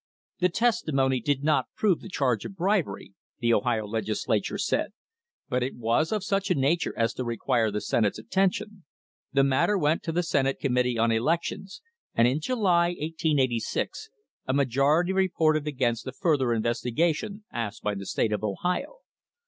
The testimony did not prove the charge of bribery, the Ohio Legislature said, but it was of such a nature as to require the Senate's attention. The matter went to the Senate Committee on Elections, and in July, 1886, a majority reported against the further investigation asked by the state of Ohio.